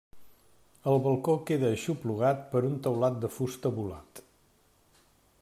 El balcó queda aixoplugat per un teulat de fusta volat.